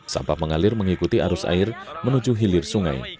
sampah mengalir mengikuti arus air menuju hilir sungai